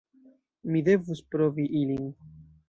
Mi devus provi ilin.